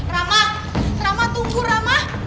rama rama tunggu rama